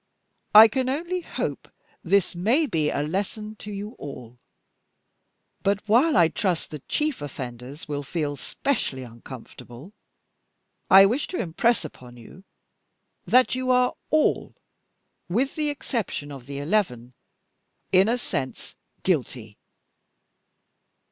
I can only hope this may be a lesson to you all; but while I trust the chief offenders will feel specially uncomfortable, I wish to impress upon you that you are all, with the exception of the eleven, in a sense guilty."